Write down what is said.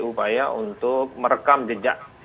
upaya untuk merekam jejak